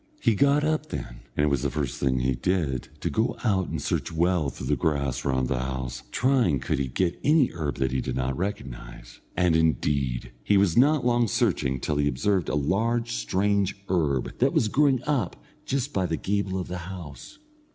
He got up then, and it was the first thing he did to go out and search well through the grass round about the house, trying could he get any herb that he did not recognise. And, indeed, he was not long searching till he observed a large strange herb that was growing up just by the gable of the house.